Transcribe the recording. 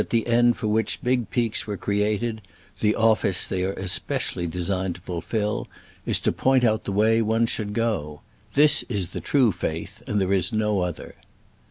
the end for which big peaks were created — ^the office they are especially designed to fulfill — is to point out the way one should go. This is the true faith, and there is no other.